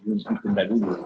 untuk ditunda dulu